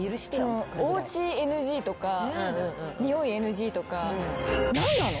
おうちＮＧとかニオイＮＧとか。